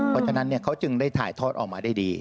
เพราะฉะนั้นเขาจึงได้ถ่ายทอดออกมาได้ดี